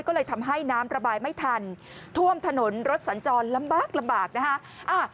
ก็เลยทำให้น้ำระบายไม่ทันท่วมถนนรถสัญจรลำบากลำบากนะคะ